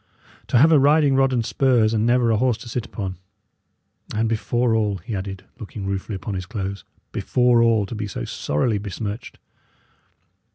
To have a riding rod and spurs, and never a horse to sit upon! And before all," he added, looking ruefully upon his clothes "before all, to be so sorrily besmirched!"